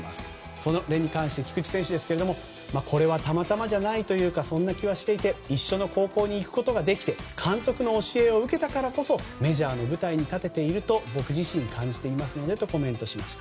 それについて、菊池選手これはたまたまじゃないというかそんな気はしていて一緒の高校に行くことができて監督の教えを受けたからこそメジャーの舞台に立てていると僕自身、感じていますのでとコメントしました。